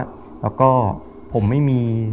แล้วก็ผมไม่มี